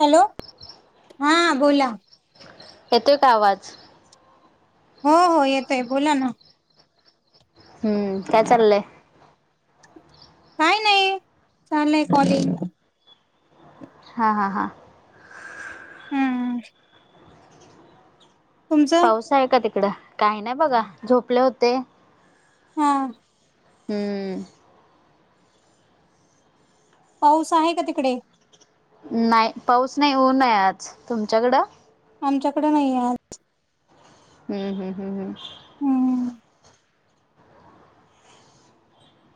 Hello हा बोला येतोय का आवाज? हो हो येतोय बोला ना. हम्म काय चाललंय? काय नाय चाललंय कॉलिंग. हा हा हा हुम. तुमचं पाऊस आहे का तिकडं काय ना बघा झोपले होते. हा. हम्म. पाऊस आहे का तिकडे? नाय पाऊस नाय ऊनाय आज तुमच्याकडं. आमच्याकडे नाईये आज. हम्म हम हम हम. हम्म.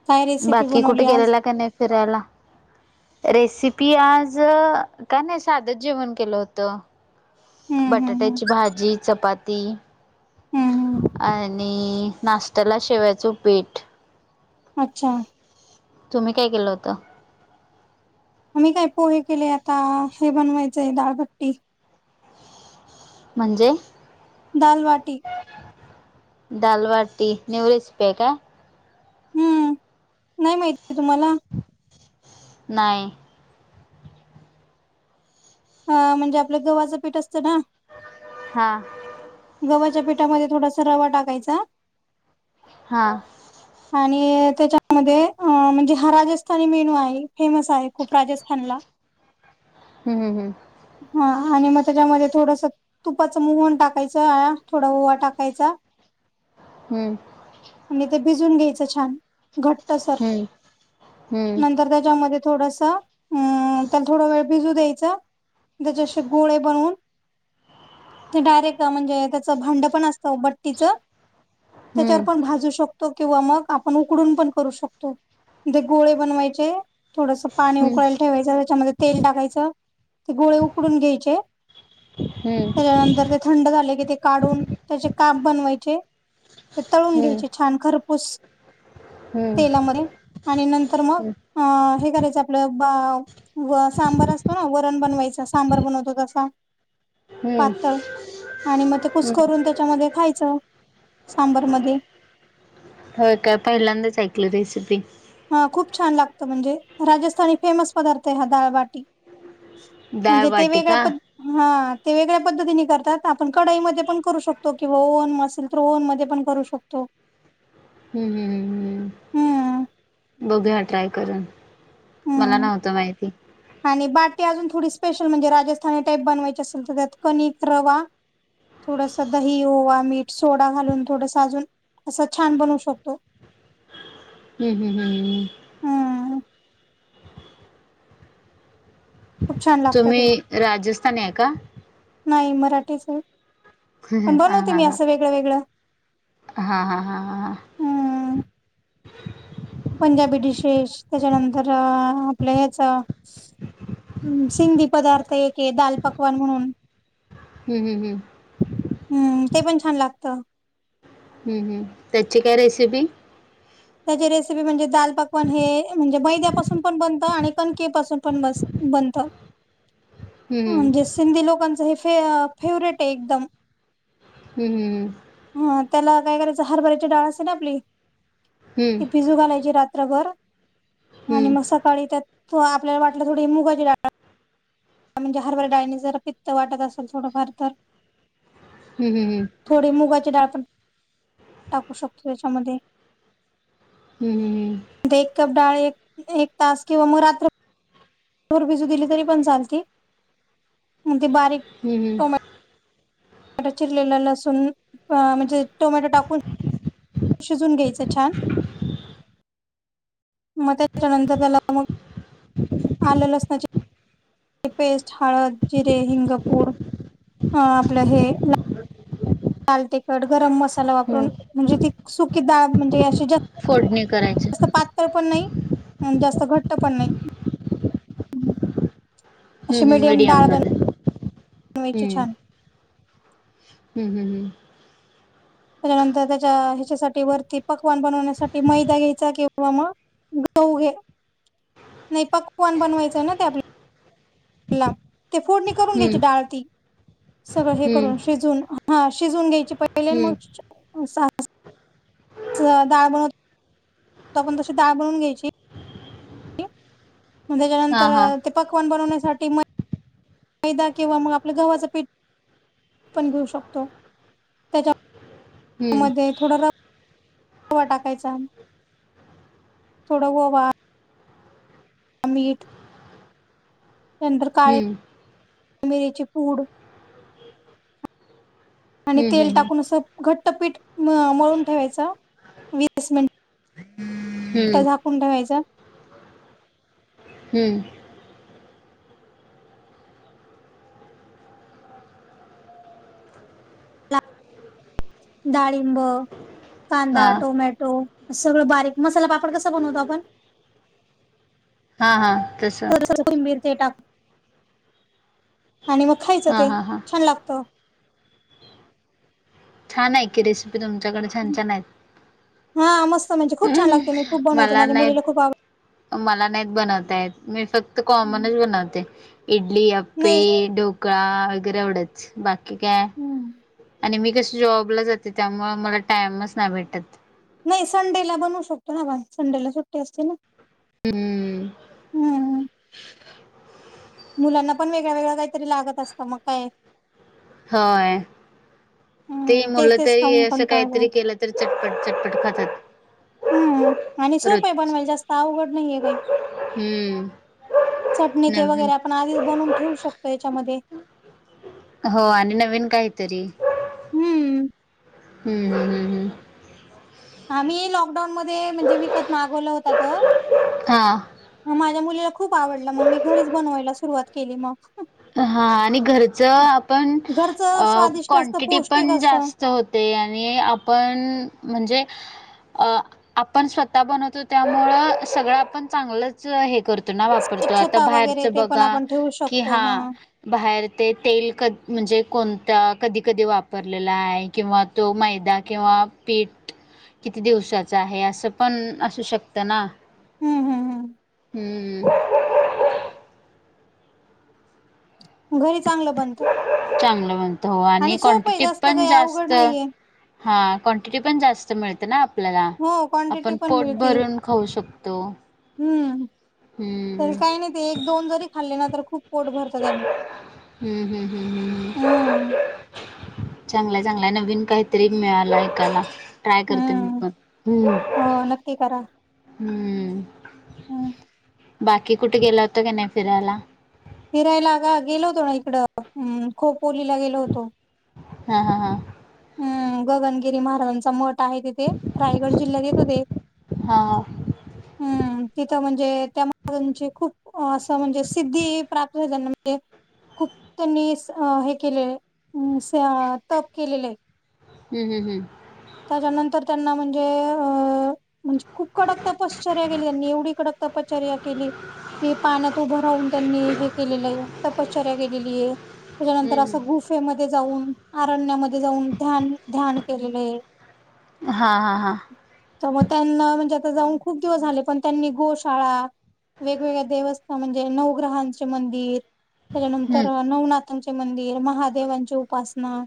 काय रेसिपी बाकी बनवली कुठं आज गेलेला का नाई फिरायला? रेसिपी आज का नाई साधच जेवण केलं होतं. हम्म हम्म हम्म बटाट्याची भाजी चपाती. हम्म हम्म आणि नाश्त्याला शेवयाचं ऊपीट. अच्छा. तुम्ही काय केलं होतं? आम्ही काय पोहे केले आता हे बनवायचंय दाळभट्टी. म्हणजे? दाल वाटी. दाल वाटी न्यु रेसिप्या का? हम्म नाई माईती तुम्हाला. नाई. हं म्हणजे आपलं गव्हाचं पीठ असतं ना. हा. गव्हाच्या पिठामध्ये थोडासा रवा टाकायचा. हा. आणि त्याच्या मध्ये अं म्हणजे हा राजस्थानी मेनू आहे फेमस आहे खूप राजस्थानला. हम् हम. हां आणि म त्याच्या मध्ये थोडंस तुपाचं मोहून टाकायचा या थोडा ओवा टाकायचा. हम्म. आणि ते भिजून घ्यायचं छान घट -ट्सर हम्म हम्म नंतर त्याच्या मध्ये थोडंस ऊं त्याला थोडा वेळ भिजू द्यायचं. त्याच्या असे गोळे बनवून. ते डायरेक्ट अं म्हणजे त्याचं भांड पण असतं बट्टीचं त्याच्यावर हम्म पण भाजू शक तो किंवा मग आपण उकडून पण करू शकतो तेे गोळे बनवायचे. थोडंस पाणी हम्म उकळायला ठेवायचं त्याच्यामध्ये तेल टाकायचं. ते गोळे उकडून घ्यायचे हम्म त्याच्यानंतर ते थंड झाले कि ते काढून त्याचे काप बनवायचे ते तळून हम्म घ्यायचे छान खरपूस हम्म हम्म तेलामध्ये आणि नंतर म अ हे करायचं आपलं बा व सांबर असतो ना व -रण बनवायचा सांबर बनवतो तसा हम्म पातळ आणि म हम्म कुस्करून त्याच्या मध्ये खायचं सांबरमध्ये. होय काय पहिल्यांदाच ऐकलं रेसिपी. हा खूप छान लागतं म्हणजे राजस्थानी फेमस पदार्थ हा दाळबाटी. डाळ म्हणजे ते वाटी वेगळ्या का पद् हा ते वेगळ्या पद्धतीने करतात आपण कडाईमध्ये पण करू शकतो किंवा ओवन असेल तर ओवन मध्ये पण करू शकू फक्त हम्म हम्म हम्म हम्म. हम्म बघू या ट्राय करन मला हम्म नव्हतं माहिती. आणि बाटी अजून थोडी स्पेशल म्हणजे राजस्थानी टाईप बनवायची असेल तर त्यात कणिक रवा थोडसा दही, ओवा, मीठ सोडा घालून थोडसा अजून असं छान बनवू शकतो. हम्म हम्म हम्म हम्म. हां. खूप छान लागतं ते तुम्ही राजस्थानी आहे का नाही मराठीच हे. पण हा बनवते हा मी हा असं वेगळं-वेगळं. हा हा हा हा हा. हम्म पंजाबी डिशेश त्याच्यानंतर आपलं ह्याचा हम्म सिंधी पदार्थ एक आहे दाल पकवान म्हणून हम्म हम्म हम्म. हम्म ते पण छान लागतं. हम्म हम्म त्याची काय रेसिपी? त्याची रेसिपी म्हणजे दाल पकवान हे म्हणजे मैद्या पासून पण बनतं आणि कणके पासून पन्नस बनतं हम्म म्हणजे सिंधी लोकांच हे फेव फेवरेट आहे एकदम. हम्म हम्म हम्म. हा त्याला काय करायचं हरभऱ्याची डाळ असते ना आपली हम्म ते भिजू घालायची रात्रभर आणि हम्म मग स काळी आणि त्यात आपल्याला वाटलं थोडी मुघाची डाळ म्हणजे हरभऱ्या डाळीनी जर पित्त वाटत असेल थोडंफार तर हम्म हम्म हम्म. थोडी मुगाची डाळ पण टाकू शकतो हयाच्यामध्ये. हम्म हम्म. तो एक कप डाळ एक एक तास किंवा म रात्र भर भीजू दिली तरी पण चालती आन ती बारीक हम्म हम्म. टा चिरलेला लसून म्हणजे टोमॅटो टाकून हं शिजून घ्यायचं छान म त्याच्यानंतर त्याला मग आलं, लसनाची पेस्ट, हळद, जिरे, हिंगपूड आं आपलं हे लाल तीखट गरम मसाला वापरून हम्म म्हणजे ती सुकी डाळ म्हणजे अशी जा फोडणी करायच्या पातळ पण नाही आणि जास्त घट्ट पण नाही हम्म अशी हम्म मीडियम मिडीयम डाळ राहू द्या बनवायची हम्म. छान हम्म हम्म हम्म. त्याच्यानंतर त्याच्या ह्याच्यासाठी वरती पकवान बनवण्यासाठी मैदा घ्यायचा किंवा म गहूं घे नाही पकवाण बनवायचंय ना ते आपल्या तेला ती फोडणी करून घ्यायची हम्म डाळ ती सगळं हे हम्म करून शिजवून. हा शिजून घ्यायची पहिले, हम्म मगबनवतो [inaudible] आपण तशी डाळ बनून घ्यायची. ची. मग हा त्याच्यानंतर हा ते पकवान बनवण्यासाठी म मैदा किंवा मग आपलं गव्हाच पीठ पण घेऊ शकतो. त्यांच्या त्या हम्म मध्ये थोडा रवा टाकायचा. थोड वोवा. अ मीठ. नंतर काळ्या हम्म मिऱ्याची पूड. आणि हम्म तेल हम्म टाकून नुसतं, घट्टपीठ मळून ठेवायचं, वीस मिन ट हम्म झाकून ठेवायचं. हम्म डाळिंब, हा कांदा, टोमॅटो सगळं बारीक मसाला पापड कसा बनवतो आपण, हा हा तसं. [unintelligible] टाक आणि मग खायचं हा ते हा हा छान लागत. छान आहे की रेसिपी तुमच्याकडे छान छान हा मस्त म्हणजे खूप छान हम्म. लागते. खूप बनवते मला माझ्या नाही. मुलीला खूप आवड मला नाहीत बनवता येत. मी फक्त कॉमनच बनवते इडली आप्प पे, नाही ढोकळा वगैरे एवढंच बाकी काय, आणि मी कस जॉबला जाते, त्यामुळं मला टाइमच नाई भेटत. नाही संडेला बनवू शकतो ना आपण संडेला सुट्टी असते ना. हम्म. हम्म मुलांना पण वेगळ्या वेगळ्या काहीतरी लागत असतं मग काय. होय. ते हम्म तेच मुलं तेच तरी खाऊन असं कंटाळा काहीतरी केलं तरी चटपट चटपट खातात. हम्म. आणि सोप आहे रोज बनवायल जास्त अवघड नाहीये काही, हम्म. चटणी ते नवीन वगैरे आपण आधीच बनवून ठेवू शकतो यांच्यामध्ये. हो आणि नवीन काहीतरी. हम्म हम्म हम आम्ही लॉकडाऊन मध्ये म्हणजे विकत मागवला होता तो. हा माझ्या मुलीला खूप आवडलं मग मी घरीच बनवायला सुरुवात केली मग. हा आणि घरच आपण घरचं स्वादिष्ट असतं क्वांटिटी पौष्टिक पण असतं. जास्त होते. ते आणि आपण म्हणजे, अ आपण स्वतः बनवतो त्यामुळं सगळं आपण चांगलंच हे करतो. ना वापरतो आता स्वच्छता बाहेरच वगैरे ते पण बघा, आपण ठेवू की शकतो हा ह बाहेर ते तेल क म्हणजे कोणता कधी कधी वापरलेला आहे. किंवा तो मैदा किंवा पीठ. किती दिवसाचं आहे, असं पण असू शकतं ना. हम् हम् हम हम्म.. घरी चांगलं बनतं. चांगलं बनतो हा आणि सोपं आहे क्वांटिटीत जास्त पण काही अवघड जास्त नाहीये हा क्वांटिटी पण जास्त मिळते ना? आपल्याला. हो क्वांटिटी आपण पण पोट मिळते. भरून खाऊ शकतो हम्म हम्म. तर काही नाही ते एक दोन जरी खाल्ले ना, तर खूप पोट भरतं त्यानी हम्म हम्म हम्म हम्म. चांगलंय चांगलाय नवीन काहीतरी मिळालं ऐकायला. ट्राय करते मी हम्म पण हम्म हो नक्की करा. हम्म. हम्म. बाकी कुठं गेला होता का नाही फिरायला? फिरायलाग गेलो होतो ना, इकडं अं खोपोलीला गेलो होतो. हा हा हा. हम्म, गगनगिरी महाराजांचा मठ आहे तिथे. रायगड जिल्ह्यात येत ते. हा हा हा हम्म तिथं म्हणजे त्या महाराजांची खुप असं म्हणजे सिद्धी प्राप्त झाली. त्यांना म्हणजे खूप त्यांनी स हे केलंय असं तप केलेलं आहे. हम्म हम्म हम्म. त्याच्या नंतर त्यांना म्हणजे अ म्हणजे खूप कडक तपश्चर्या केली त्यांनी. एवढी कडक तपश्चर्या केली की पाण्यात उभं राहून त्यांनी हे केलेलं हाय तपश्चर्या केलेली आहे. हम्म हम्म हम्म त्याच्यानंतर असं गुफेमध्ये जाऊन, अरण्यामध्ये जाऊन ध्यान ध्यान केलेलं आहे. हा हा हा. तर मग त्यांना म्हणजे आता जाऊन खूप दिवस झाले, पण त्यांनी गोशाळा वेगवेगळे देवस्थान म्हणजे नऊ ग्रहाचे मंदिर हम्म त्याच्यानंतर हम्म नवनाथांचे मंदिर, महादेवांची उपासना.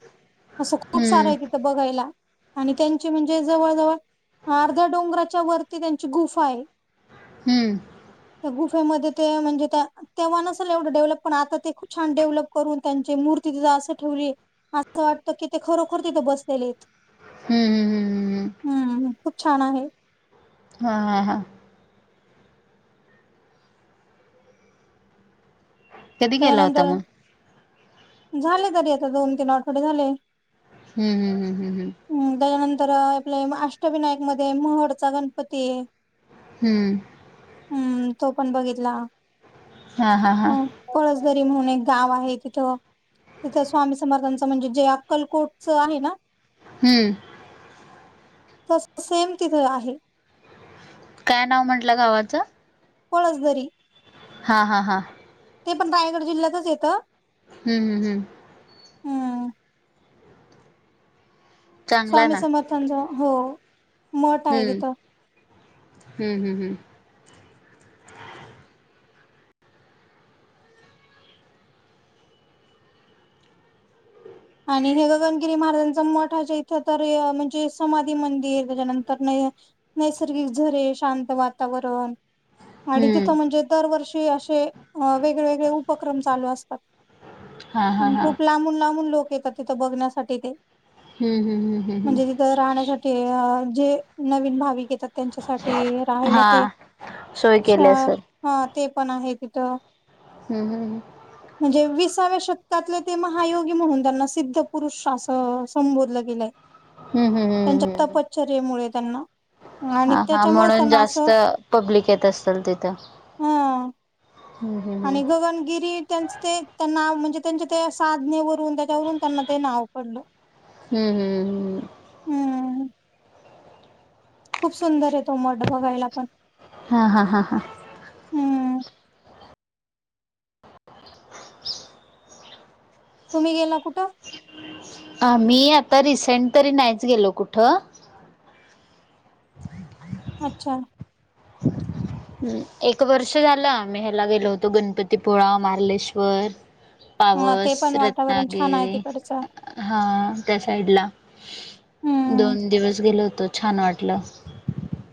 असं हम्म हम्म खूप हम्म सारं आहे तिथं बघायला. आणि त्यांची म्हणजे जवळ जवळ अर्ध्या डोंगराच्या वरती त्यांची गुफा आहे. हम्म. त्या गुफेमध्ये ते म्हणजे त्या तेव्हा नसल एवढं डेव्हलप, पण आता ते खूप छान डेव्हलप करून त्यांची मूर्ती तिथं असं ठेवली. असं वाटतं की ते खरोखर तिथे बसलेले आहेत. हम्म हम्म हम्म. हम्म, खूप छान आहे. हा हा हा. कधी गेला होता त्याच्यानंतर मग झाले तरी आता दोन तीन आठवडे झाले. हम्म हम्म हम्म हम्म. हम्म त्याच्यानंतर आपल्या अष्टविनायकमध्ये महडचा गणपती आहे. हम्म. हम्म तो पण बघितला. हा हा अ हा. पळसदरी म्हणून एक गाव आहे तिथं. तिथं स्वामी समर्थांचं म्हणजे जे अक्कलकोटचं आहे ना हम्म. तसं सेम तिथं आहे. काय नाव म्हंटला गावाचं? पळसदरी. हा हा हा ते पण रायगड जिल्ह्यातच येतं. हम् हम् हम हम्म चांगला स्वामी ना समर्थांचा हो मठ आहे हम्म तिथं. हम्म हम् हम् आणि हे गगनगिरी महाराजांचा मठा च्या इथं तर म्हणजे समाधी मंदिर त्याच्यानंतर हे नैसर्गिक झरे शांत वातावरण. आणि तिथं हम्म म्हणजे दरवर्षी असे अ वेगळे वेगळे उपक्रम चालू असतात. हा हा ह् हा खूप लांबून लांबून लोक येतात तिथं बघण्यासाठी ते. हम्म हम्म हम्म हम्म हम्म. म्हणजे तिथं राहण्यासाठी जे नवीन भाविक येतात. त्यांच्यासाठी राहायला ते हा सोय श केली असेल. हा ते पण आहे तिथ. हम् हम ह म्हणजे विसाव्या शतकातले ते महायोगी म्हणून त्यांना सिद्ध पुरुष असं संबोधल गेलंय, हम्म हम्म हम्म त्यांच्या हम्म. तप चर्येमुळे त्यांना हा आणि त्यांच्यामुळे म्हणून त्याना जास्त असं पब्लिक येत असेल तिथं. हा- हम्म हम्म आणि गगनगिरी त्यांचे ते, त्यांना म्हणजे त्यांच्या ते साधनेवरून त्याच्यावरून त्यांना ते नाव पडलं. हम्म हम्म हम् हम्म खूप सुंदर होत मठ बघायला. हा हा हा हा हम्म तुम्ही गेला कुठं? आम्ही आता रिसेंट तरी नाहीच गेलो कुठं. अच्छा! ह् एक वर्ष झालं आम्ही ह्याला गेलो होतो गणपतीपुळा, मारलेश्वर. ह ते पावस पण वातावरण छान आहे रत्नागिरी तिकडचं हा त्या साइडला. हम्म दोन दिवस गेलो होतो छान वाटलं.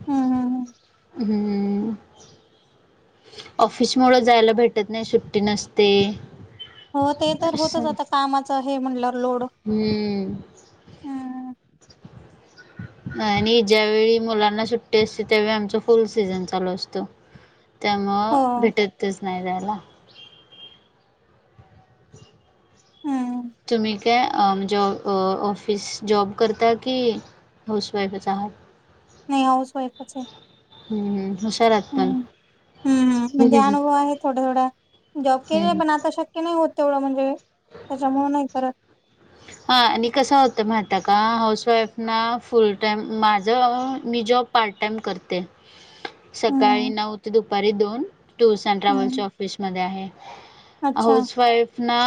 हम् हम हम हम्म ऑफिस मुळे जायला भेटत नाही सुट्टी नसते. हो ते तर होतच असं आता कामाच हे म्हटल्यावर लोड. हम्म आणि ज्यावेेळी मुलांना सुट्टी असते, त्यावेळी आमचा फुल सीझन चालू असतो. [inaudible] त्यामुळं हो भेटतच नाय जास्तं. हम्म तुम्ही काय आ म्हणजे जॉ ऑफिस जॉब करता की. हाऊस वाईफच आहात. नाही हाऊसवाफच आहे. हम्म हम हम्म हम् हम् म्हणजे अनुभव हम्म आहे थोडा थोडा. जॉब केलाय पण आता शक्य नाही होत तेवढं म्हणजे त्यांच्यामुळे नाही करत. हा आणि कसं होतं म्हहितय का हाऊसवाईफ ना फुल टाइम माझ मी जॉब पार्ट टाइम करते. [inaudible] सकाळी नऊ ते दुपारी दोन टूर्स अँड ट्रॅव्हल्च्या हम्म ऑफिसमध्ये आहे. अच्छा हाऊस वाईफ ना